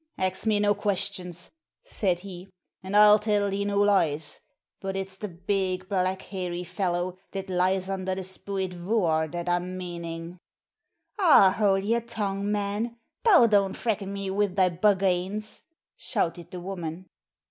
'Ax me no questions,' said he, 'an' I'll tell thee no lies. But it's the big, black, hairy fellow that lies under the Spooyt Vooar that I'm meanin'.' 'Aw, houl yer tongue, man; thou don't frecken me wi' thy Bugganes,' shouted the woman.